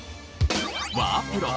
ワープロ。